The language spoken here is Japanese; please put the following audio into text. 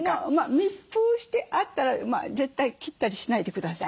密封してあったら絶対切ったりしないでくださいね。